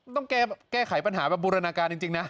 ต้องแก้ไขปัญหาแบบบูรณาการจริงนะ